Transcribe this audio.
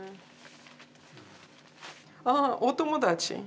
ああお友達。